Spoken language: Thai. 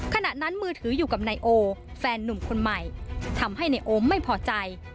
ขณะนั้นมือถืออยู่กับนายโอแฟนหนุ่มคนใหม่ทำให้นายโอมไม่พอใจ